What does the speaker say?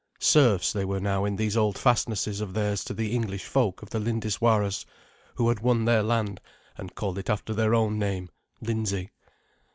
Serfs they were now in these old fastnesses of theirs to the English folk of the Lindiswaras, who had won their land and called it after their own name, Lindsey.